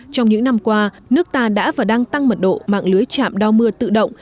trong những năm qua nước ta đã và đang tăng mật độ mạng lưới chạm đau mưa tự động